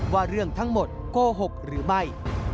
ว่าเรื่องทั้งหมดโกหกหรือไม่